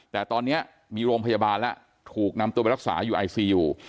แต่ตอนนี้มีโรงพยาบาลแล้วถูกนำตัวไปรักษาอยู่ไอซียู